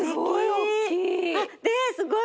すごい。